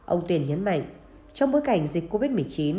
ông tuyên nhấn mạnh trong bối cảnh dịch covid một mươi chín